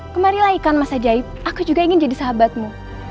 kemarilah ikan mas ajaib aku juga ingin jadi sahabatmu